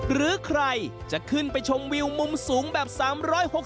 หรือใครจะขึ้นไปชมวิวมุมสูงแบบ๓๖๐องศาบนสวนไหปรา